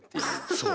そう！